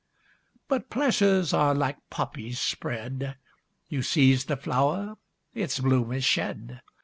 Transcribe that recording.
But pleasures are like poppies spread, You seize the flower, its bloom is shed!